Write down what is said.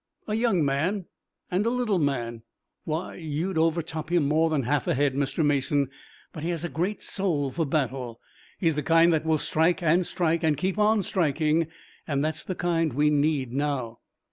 A young man, and a little man. Why, you'd overtop him more than half a head, Mr. Mason, but he has a great soul for battle. He's the kind that will strike and strike, and keep on striking, and that's the kind we need now."